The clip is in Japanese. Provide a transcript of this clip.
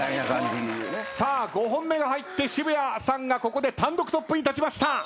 ５本目が入って渋谷さんがここで単独トップに立ちました。